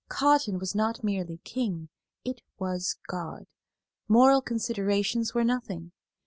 Cotton was not merely king; it was God. Moral considerations were nothing.